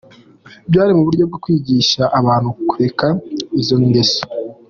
Byari mu buryo bwo kwigisha abantu kureka izo ngeso.